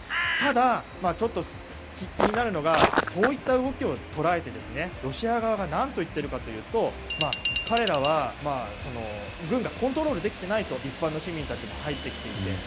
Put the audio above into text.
ただ、ちょっと気になるのがそういった動きを捉えてロシア側がなんと言っているかというと彼らは軍がコントロールできていないと一般の市民たちも入ってきていて。